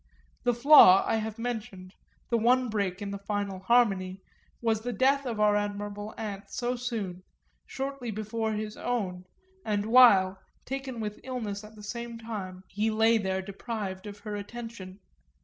The flaw I have mentioned, the one break in the final harmony, was the death of our admirable aunt too soon, shortly before his own and while, taken with illness at the same time, he lay there deprived of her attention.